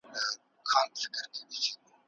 ما پرون په کمپیوټر کي د لغتونو یو نوی لیست جوړ کړی.